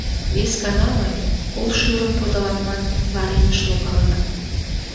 Вес ганалан, кол шӱрым подылам манын, вареньыш логалынам.